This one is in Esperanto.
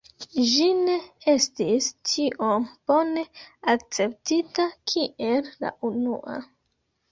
Ĝi ne estis tiom bone akceptita kiel la unua.